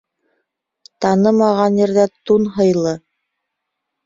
Танымаған ерҙә тун һыйлы.